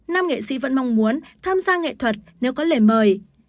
nam nghệ sĩ vẫn mong muốn tham gia nghệ thuật nếu có lời mời